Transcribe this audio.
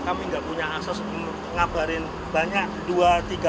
kami tidak punya asas mengabarin banyak